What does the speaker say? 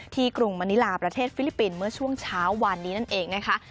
กรุงมณิลาประเทศฟิลิปปินส์เมื่อช่วงเช้าวานนี้นั่นเองนะคะ